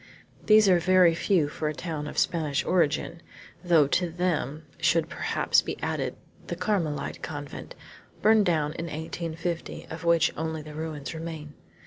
These are very few for a town of Spanish origin, though to them should perhaps be added the Carmelite Convent, burned down in 1850, of which only the ruins remain.